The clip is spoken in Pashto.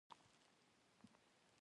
دا د نورو لپاره د داسې حق شتون دی.